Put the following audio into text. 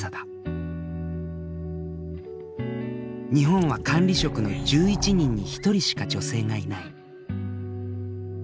日本は管理職の１１人に１人しか女性がいない。